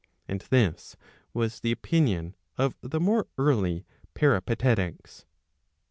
£And this was the opinion of the more early Peripatetics.